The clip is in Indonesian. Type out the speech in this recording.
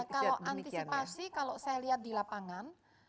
kalau antisipasi kalau saya lihat di lapangan